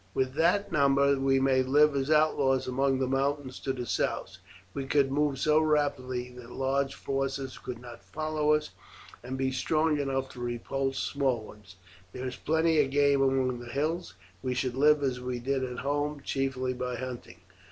With that number we may live as outlaws among the mountains to the south; we could move so rapidly that large forces could not follow us, and be strong enough to repulse small ones. There is plenty of game among the hills, and we should live as we did at home, chiefly by hunting."